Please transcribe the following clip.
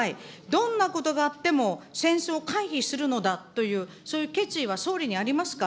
どんなことがあっても戦争を回避するのだという、そういう決意は総理にありますか。